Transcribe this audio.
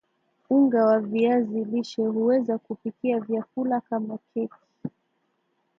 unga wa viazi lishe huweza kupikia vyakula kama keki